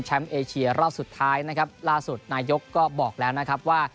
เอเชียรอบสุดท้ายนะครับล่าสุดนายกก็บอกแล้วนะครับว่า